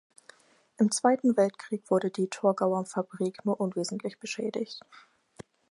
Im Zweiten Weltkrieg wurde die Torgauer Fabrik nur unwesentlich beschädigt.